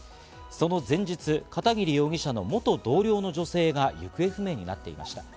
その前日、片桐容疑者の元同僚の女性が行方不明になっていました。